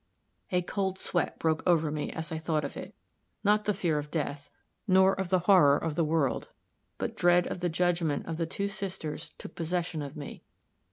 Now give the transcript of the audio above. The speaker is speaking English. A cold sweat broke over me as I thought of it. Not the fear of death, nor of the horror of the world but dread of the judgment of the two sisters took possession of me.